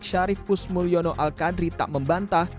syarif kusmulyono alkadri tak membantah